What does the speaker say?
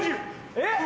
えっ！